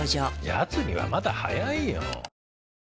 やつにはまだ早いよ。